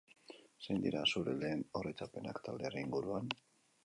Zein dira zure lehen oroitzapenak taldearen inguruan?